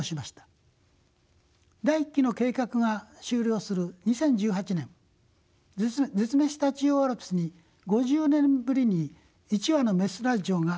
第一期の計画が終了する２０１８年絶滅した中央アルプスに５０年ぶりに１羽の雌ライチョウが飛来しました。